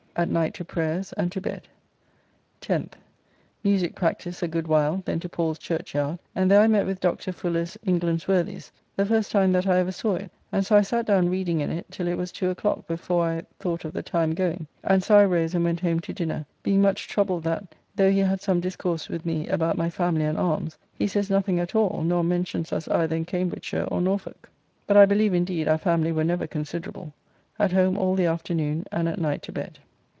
At night to prayers and to bed. 10th. Musique practice a good while, then to Paul's Churchyard, and there I met with Dr. Fuller's "England's Worthys," the first time that I ever saw it; and so I sat down reading in it, till it was two o'clock before I, thought of the time going, and so I rose and went home to dinner, being much troubled that (though he had some discourse with me about my family and arms) he says nothing at all, nor mentions us either in Cambridgeshire or Norfolk. But I believe, indeed, our family were never considerable. At home all the afternoon, and at night to bed.